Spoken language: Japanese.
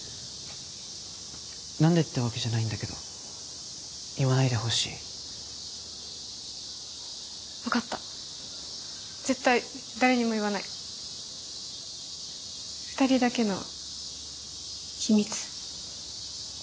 何でってわけじゃないんだけど言わないでほしい分かった絶対誰にも言わない２人だけの秘密